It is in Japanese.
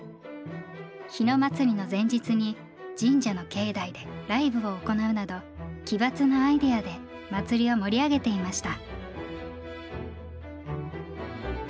日野祭の前日に神社の境内でライブを行うなど奇抜なアイデアで祭りを盛り上げていました。